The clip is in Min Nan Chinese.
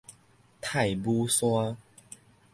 太姥山